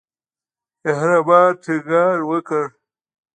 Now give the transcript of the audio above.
مهربان ټینګار وکړ.